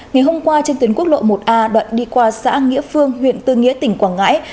ngày hôm qua trên tuyến quốc lộ một a đoạn đi qua xã nghĩa phương huyện tư nghĩa tỉnh quảng ngãi